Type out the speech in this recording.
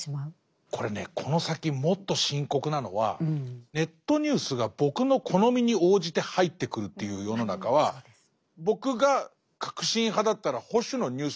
これねこの先もっと深刻なのはネットニュースが僕の好みに応じて入ってくるっていう世の中は僕が革新派だったら保守のニュースなんか一個も入ってこないんですよ。